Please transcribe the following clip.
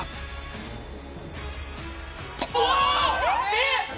えっ！？